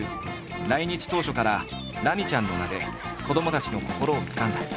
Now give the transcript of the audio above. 来日当初から「ラミちゃん」の名で子どもたちの心をつかんだ。